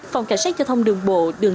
phòng cảnh sát cho thông đường bộ